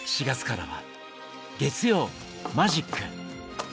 ４月からは月曜「マジック」。